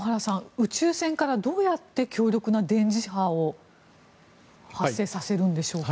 宇宙船からどうやって強力な電磁波を発生させるんでしょうか？